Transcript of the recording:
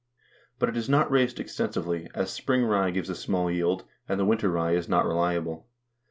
But it is not raised exten sively, as spring rye gives a small yield, and the winter rye is not reliable.